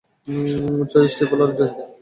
জয়, স্টিফলারের জয়।